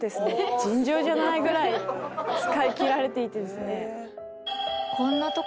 尋常じゃないぐらい使いきられていてですね」